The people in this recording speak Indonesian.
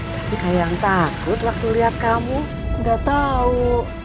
tapi kayak yang takut waktu lihat kamu gak tahu